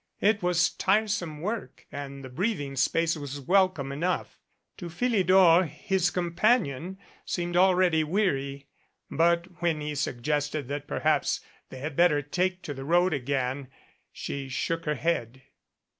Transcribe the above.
It was tiresome work and the breathing space was welcome enough. To Philidor his companion seemed al ready weary. But when he suggested that perhaps they had better take to the road again she shook her head.